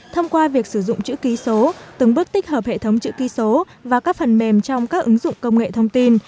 thông qua việc sử dụng chữ ký số từng bước tích hợp hệ thống chữ ký số và các phần mềm trong các ứng dụng công nghệ thông tin